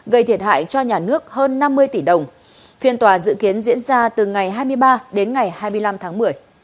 gây thiệt hại cho nhà nước hơn năm mươi tỷ đồng phiên tòa dự kiến diễn ra từ ngày hai mươi ba đến ngày hai mươi năm tháng một mươi